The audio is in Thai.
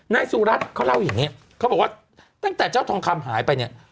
นายสุรัตน์เขาเล่าอย่างนี้เขาบอกว่าตั้งแต่เจ้าทองคำหายไปเนี่ย